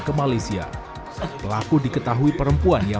gajinya berapa waktu disawarin